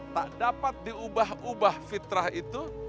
tak dapat diubah ubah fitrah itu